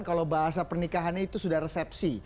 kalau bahasa pernikahannya itu sudah resepsi